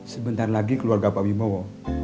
sebentar lagi keluarga pak wibowo